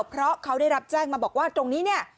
เพราะเขาได้รับแจ้งมาบอกว่าตรงนี้เนี่ย